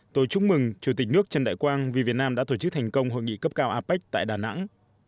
tôi chúc mừng chủ tịch nước trần đại quang vì việt nam đã tổ chức thành công hội nghị cấp cao apec tại đà nẵng